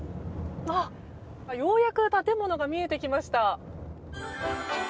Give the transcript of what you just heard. ようやく建物が見えてきました。